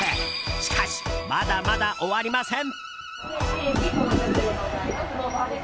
しかし、まだまだ終わりません！